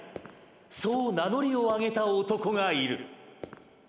そう名乗りを上げた男がいる。